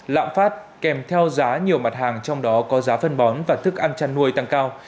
lạm phát kèm theo giá nhiều mặt hàng trong đó có giá phân bón và thức ăn chăn nuôi tăng cao